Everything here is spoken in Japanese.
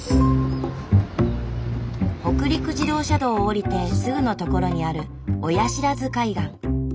北陸自動車道を降りてすぐのところにある親不知海岸。